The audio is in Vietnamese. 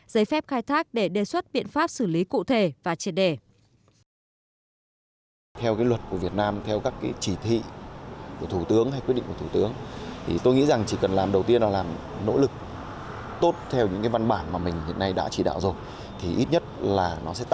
giấy phép khai thác để đề xuất biện pháp xử lý cụ thể và triệt đề